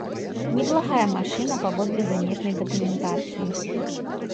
Неблагая машына, паводле замежнай дакументацыі.